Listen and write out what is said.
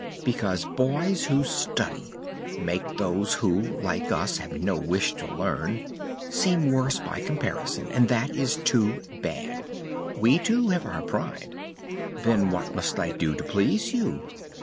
"Because boys who study make those who, like us, have no wish to learn, seem worse by comparison. And that is too bad. We, too, have our pride!" "Then what must I do to please you?"